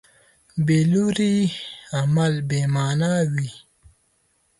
بېلوري عمل بېمانا وي.